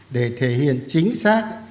để thể hiện chính xác